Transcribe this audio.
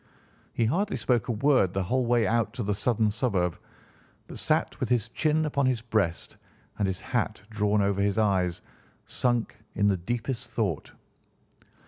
He hardly spoke a word the whole way out to the southern suburb, but sat with his chin upon his breast and his hat drawn over his eyes, sunk in the deepest thought.